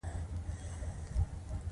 چې اوږدې لستوڼي یې وې، پروت و.